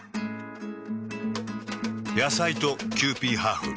野菜とキユーピーハーフ。